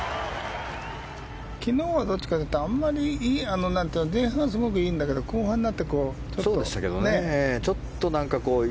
昨日はどっちかというと前半すごくいいんだけど後半になってちょっとね。